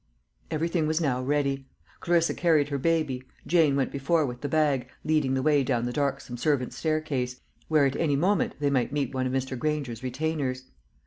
Everything was now ready. Clarissa carried her baby, Jane went before with the bag, leading the way down the darksome servants' staircase, where at any moment they might meet one of Mr. Granger's retainers.